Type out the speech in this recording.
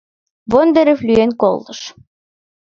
Бондарев лӱен колтыш.